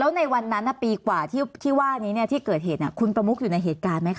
ในวันนั้นปีกว่าที่ว่านี้ที่เกิดเหตุคุณประมุกอยู่ในเหตุการณ์ไหมค